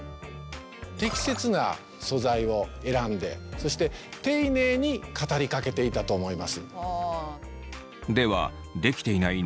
適切な素材を選んでそして丁寧に語りかけていたと思います。